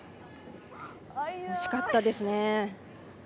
惜しかったですね。